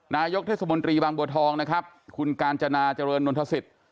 นายกเทศมนตรีบางบัวทองนะครับคุณกาญจนาเจริญนนทศิษย์